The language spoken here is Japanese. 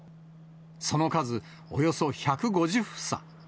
その数、およそ１５０房。